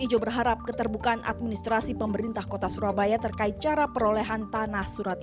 ijo berharap keterbukaan administrasi pemerintah kota surabaya terkait cara perolehan tanah surat